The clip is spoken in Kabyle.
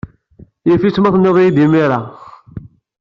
Yif-it ma tenniḍ-iyi-d imir-a.